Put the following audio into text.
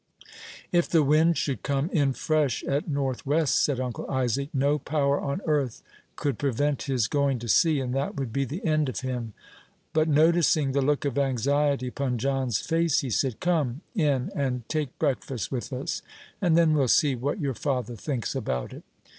"If the wind should come in fresh at north west," said Uncle Isaac, "no power on earth could prevent his going to sea, and that would be the end of him;" but, noticing the look of anxiety upon John's face, he said, "Come in and take breakfast with us, and then we'll see what your father thinks about it."